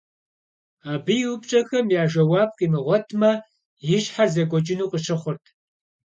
Абы и упщӀэхэм я жэуап къимыгъуэтмэ, и щхьэр зэкӀуэкӀыну къыщыхъурт.